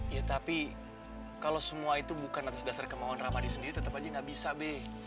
ya tapi kalau semua itu bukan atas dasar kemauan ramadi sendiri tetap aja gak bisa deh